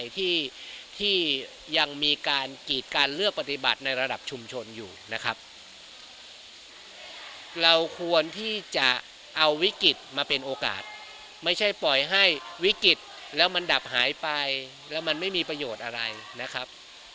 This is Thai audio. ที่ที่ยังมีการกีดการเลือกปฏิบัติในระดับชุมชนอยู่นะครับเราควรที่จะเอาวิกฤตมาเป็นโอกาสไม่ใช่ปล่อยให้วิกฤตแล้วมันดับหายไปแล้วมันไม่มีประโยชน์อะไรนะครับ